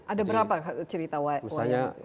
ada berapa cerita wayang itu